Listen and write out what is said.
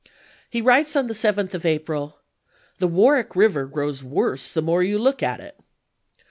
He writes on the 7th of April, " The War 1862. wick River grows worse the more you look at it."